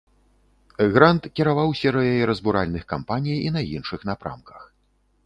Грант кіраваў серыяй разбуральных кампаній і на іншых напрамках.